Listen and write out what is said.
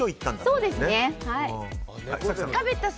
そうですね。